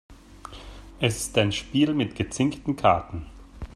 Es ist ein Spiel mit gezinkten Karten.